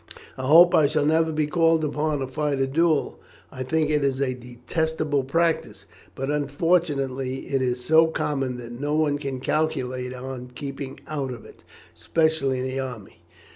I hope I shall never be called upon to fight a duel. I think it is a detestable practice; but unfortunately it is so common that no one can calculate on keeping out of it especially in the army."